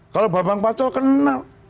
kalau bambang paco kenal